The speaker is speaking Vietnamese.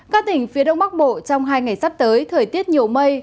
các tỉnh phía đông bắc bộ trong hai ngày sắp tới thời tiết nhiều mây